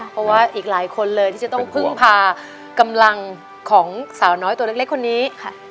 เพราะว่าอีกหลายคนเลยที่จะต้องพึ่งพากำลังของสาวน้อยตัวเล็กคนนี้ค่ะ